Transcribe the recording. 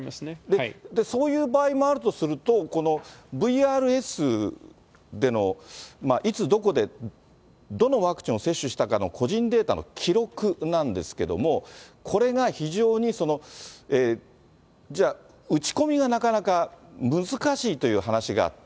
そういう場合もあるとすると、このＶＲＳでの、いつ、どこで、どのワクチンを接種したかの個人データの記録なんですけども、これが非常に、じゃあ、打ち込みがなかなか難しいという話があって。